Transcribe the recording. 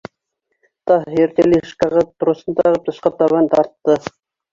Таһир тележкаға тросын тағып, тышҡа табан тартты.